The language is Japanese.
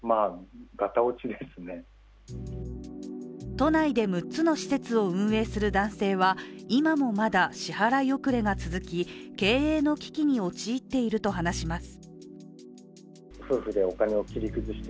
都内で６つの施設を運営する男性は、今もまだ支払い遅れが続き、経営の危機に陥っていると話します。